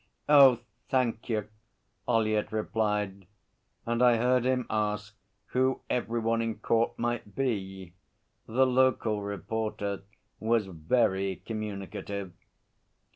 'Oh, thank you,' Ollyett replied, and I heard him ask who every one in court might be. The local reporter was very communicative.